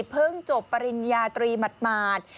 เพิ่งจบปริญญาตรีหมัด